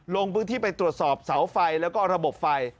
ลงพื้นที่ไปตรวจสอบเสาไฟแล้วก็ระบบไฟ